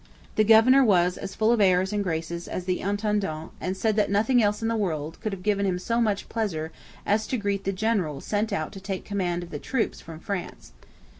The governor was as full of airs and graces as the intendant, and said that nothing else in the world could have given him so much pleasure as to greet the general sent out to take command of the troops from France.